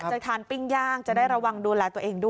จะทานปิ้งย่างจะได้ระวังดูแลตัวเองด้วย